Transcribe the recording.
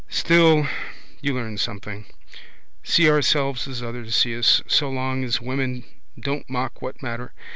Still you learn something. See ourselves as others see us. So long as women don't mock what matter?